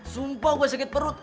sumpah gue sikit perut